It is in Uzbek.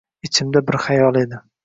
Ichimda bir xayol edi